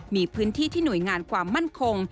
มีพื้นที่ที่หน่วยงานความมั่นคง